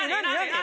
何？